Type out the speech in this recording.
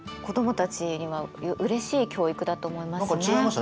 子どもたちにはうれしい教育だと思いますね。